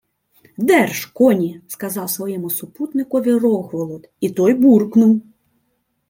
— Держ коні! — сказав своєму супутникові Рогволод, і той буркнув: